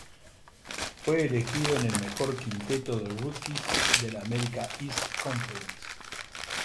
Fue elegido en el "mejor quinteto" de rookies de la America East Conference.